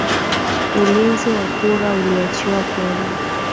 ulinzi wa kura uliachiwa poli